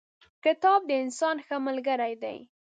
کتاب د انسان ښه ملګری دی.